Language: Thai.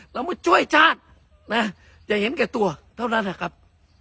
เมื่อช่วยชาตินะจะเห็นแก่ตัวเท่านั้นแหละครับ